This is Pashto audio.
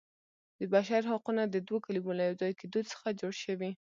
د بشر حقونه د دوو کلمو له یو ځای کیدو څخه جوړ شوي.